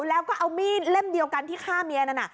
แล้วก็เอามีดเล่มเดียวกันที่ฆ่าเมียนั้น